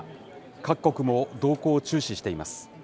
各国も動向を注視しています。